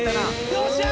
よっしゃ！